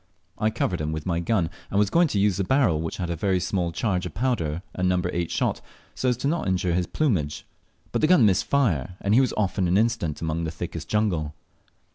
I covered him with my gun, and was going to use the barrel which had a very small charge of powder and number eight shot, so as not to injure his plumage, but the gun missed fire, and he was off in an instant among the thickest jungle.